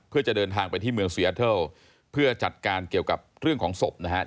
เพื่อจะเดินทางไปที่เมืองเซียเทิลเพื่อจัดการเกี่ยวกับเรื่องของศพนะครับ